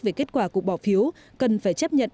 về kết quả cuộc bỏ phiếu cần phải chấp nhận